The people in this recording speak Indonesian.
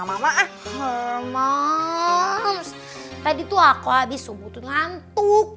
mams tadi tuh aku abis subuh tuh ngantuk